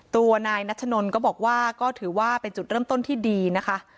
ตัวนายนัชนนก็บอกว่าก็ถือว่าเป็นจุดเริ่มต้นที่ดีนะคะ